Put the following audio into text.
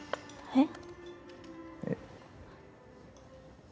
えっ？